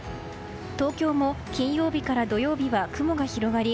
東京も金曜日から土曜日は雲が広がり